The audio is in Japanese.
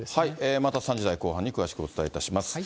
また３時台後半に詳しくお伝えいたします。